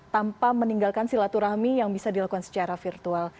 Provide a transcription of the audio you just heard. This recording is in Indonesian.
tanpa meninggalkan silaturahmi yang bisa dilakukan secara virtual